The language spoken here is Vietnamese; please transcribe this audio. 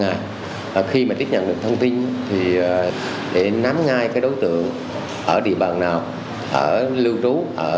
và khi mà tiếp nhận được thông tin thì để nắm ngay cái đối tượng ở địa bàn nào ở lưu trú